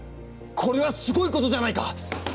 これはすごいことじゃないか！